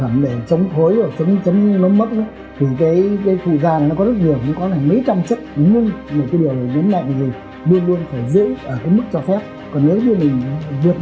mà không bị hỏng